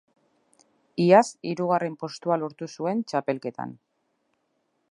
Iaz hirugarren postua lortu zuen txapelketan.